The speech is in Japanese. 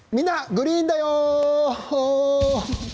グリーンだよ」。